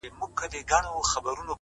گراني انكار”